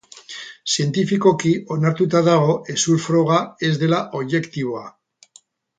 Zientifikoki onartuta dago hezur froga ez dela objektiboa.